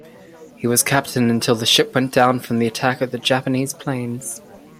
He was captain until the ship went down from the attack of Japanese planes.